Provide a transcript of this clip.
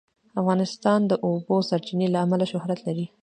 افغانستان د د اوبو سرچینې له امله شهرت لري.